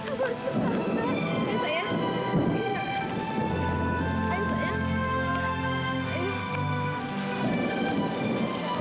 kamu harus bertahan pak